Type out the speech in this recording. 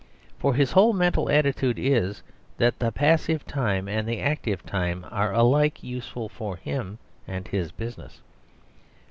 For his whole mental attitude is that the passive time and the active time are alike useful for him and his business.